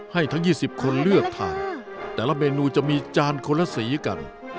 ให้ทั้ง๒๐คนเลือกทานแต่ละเมนูจะมีจานคนละสีกัน